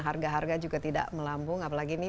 harga harga juga tidak melambung apalagi ini